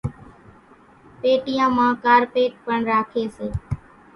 پيٽيان مان ڪارپيٽ پڻ راکيَ سي۔